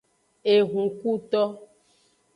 Ehunkuto.